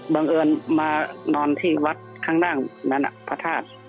บังเอิญมานอนที่วัดข้างล่างนั้นพระธาตุ